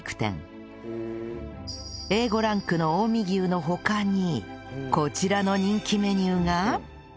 Ａ５ ランクの近江牛の他にこちらの人気メニューが